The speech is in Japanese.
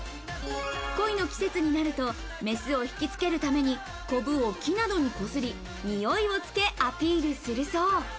恋の季節になると、メスを惹きつけるために、コブを木などに擦り、においをつけ、アピールするそう。